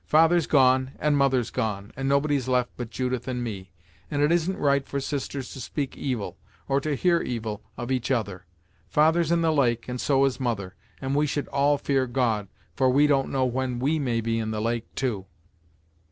"Father's gone, and mother's gone, and nobody's left but Judith and me, and it isn't right for sisters to speak evil, or to hear evil of each other. Father's in the lake, and so is mother, and we should all fear God, for we don't know when we may be in the lake, too."